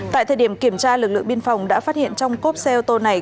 tại thời điểm kiểm tra lực lượng biên phòng đã phát hiện trong cốp xe ô tô này